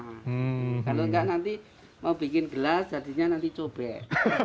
kalau enggak nanti mau bikin gelas jadinya nanti cobek